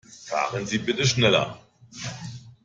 Fahren Sie bitte schneller.